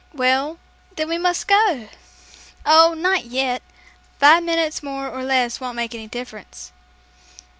"Well, then we must go!" "Oh, not yet, five minutes more or less won't make any difference."